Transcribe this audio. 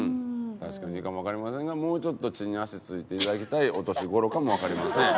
確かにいいかもわかりませんがもうちょっと地に足ついていただきたいお年頃かもわかりません。